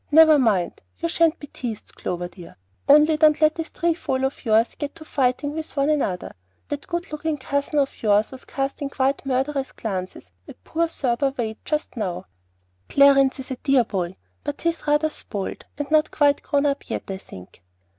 Never mind; you sha'n't be teased, Clover dear. Only don't let this trefoil of yours get to fighting with one another. That good looking cousin of yours was casting quite murderous glances at poor Thurber Wade just now." "Clarence is a dear boy; but he's rather spoiled and not quite grown up yet, I think."